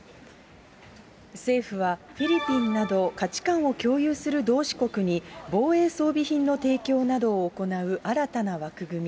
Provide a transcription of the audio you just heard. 政府はフィリピンなど価値観を共有する同志国に、防衛装備品の提供などを行う新たな枠組み、